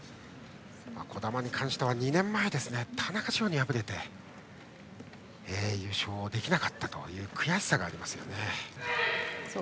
児玉に関しては２年前田中志保に敗れて優勝できなかったという悔しさがありますね。